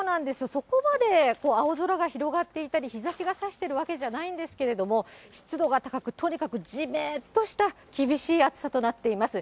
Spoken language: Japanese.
そこまで青空が広がっていたり、日ざしがさしてるわけじゃないんですけど、湿度が高く、とにかくじめっとした厳しい暑さとなっています。